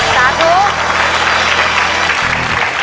สาธุ